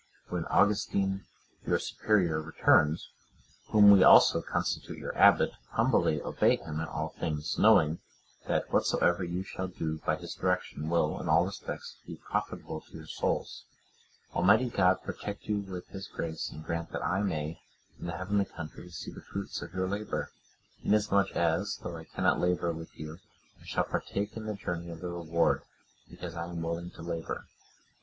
When Augustine, your Superior, returns, whom we also constitute your abbot, humbly obey him in all things; knowing, that whatsoever you shall do by his direction, will, in all respects, be profitable to your souls. Almighty God protect you with His grace, and grant that I may, in the heavenly country, see the fruits of your labour, inasmuch as, though I cannot labour with you, I shall partake in the joy of the reward, because I am willing to labour.